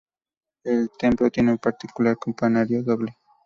El templo tiene un peculiar campanario doble.